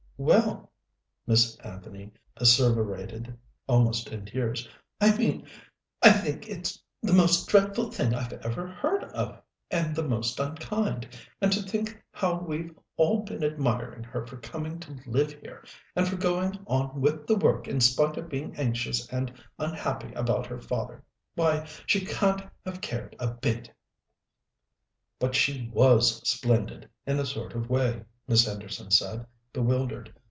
"Well," Miss Anthony asseverated, almost in tears, "I mean it. I think it's the most dreadful thing I've ever heard of, and the most unkind. And to think how we've all been admiring her for coming to live here, and for going on with the work in spite of being anxious and unhappy about her father! Why, she can't have cared a bit!" "But she was splendid, in a sort of way," Miss Henderson said, bewildered.